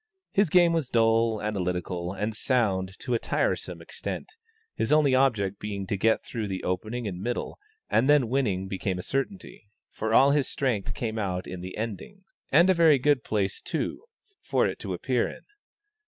His game was dull, analytical, and sound to a tiresome extent, his only object being to get through the opening and middle, and then winning became a certainty; for all his strength came out in the endings, and a very good place, too, for it to appear in.